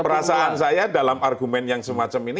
perasaan saya dalam argumen yang semacam ini